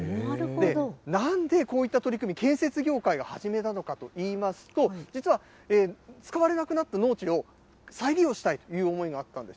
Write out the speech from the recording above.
なんでこういった取り組み、建設業界が始めたのかといいますと、実は使われなくなった農地を再利用したいという思いがあったんです。